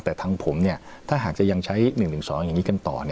แต่ทางผมถ้าหากจะยังใช้๑๑๒อย่างนี้กันต่อ